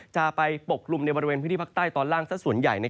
จะไปปกกลุ่มในบริเวณพื้นที่ภาคใต้ตอนล่างสักส่วนใหญ่